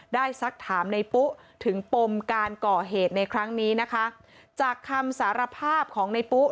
สักถามในปุ๊ถึงปมการก่อเหตุในครั้งนี้นะคะจากคำสารภาพของในปุ๊